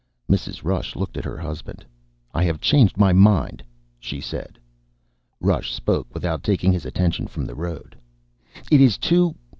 Mrs. Rush looked at her husband. "I have changed my mind," she said. Rush spoke without taking his attention from the road. "It is too ..."